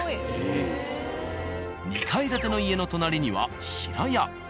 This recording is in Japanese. ２階建ての家の隣には平屋。